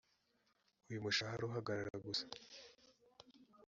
uyu mushahara uhagarara gusa